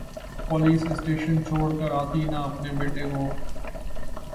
police station چھوڑ کر آتی نا اپنے بیٹے کو